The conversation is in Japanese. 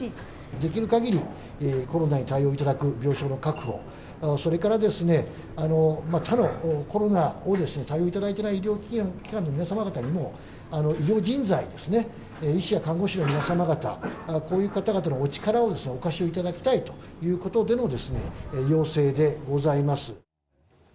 できるかぎりコロナに対応いただく病床の確保、それからですね、他のコロナを対応いただいてない医療機関の皆様方にも、医療人材ですね、医師や看護師の皆様方、こういう方々のお力をお貸しをいただきたいということでの要請でございます。